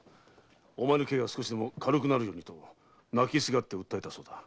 お前の刑が少しでも軽くなるようにと泣きすがって訴えたそうだ。